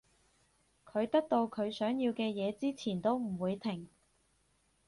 佢得到佢想要嘅嘢之前都唔會停